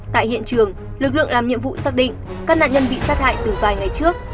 tại hiện trường lực lượng làm nhiệm vụ xác định các nạn nhân bị sát hại từ vài ngày trước